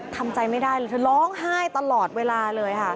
ทำใจไม่ได้เลยเธอร้องไห้ตลอดเวลาเลยค่ะ